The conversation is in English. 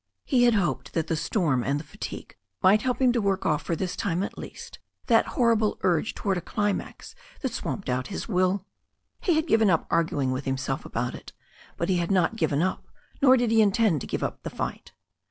He had hoped that the storm and the fatigue might help him to work off for this time at least that horrible urge towards a climax that swamped out his will. He had gfiven up arguing with himself about it, but he had not given up, nor did he intend to give up the fight.